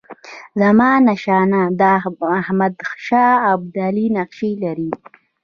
زمانشاه د احمدشاه ابدالي نقشې لري.